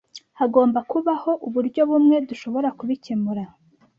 Hagomba kubaho uburyo bumwe dushobora kubikemura .